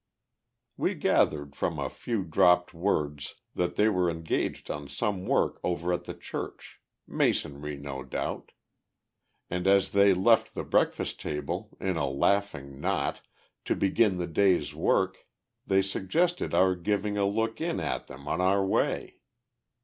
We gathered from a few dropped words that they were engaged on some work over at the church masonry, no doubt and, as they left the breakfast table, in a laughing knot, to begin the day's work, they suggested our giving a look in at them on our way.